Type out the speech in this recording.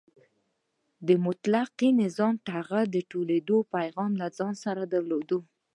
د مطلقه نظام د ټغر ټولېدو پیغام له ځان سره درلود.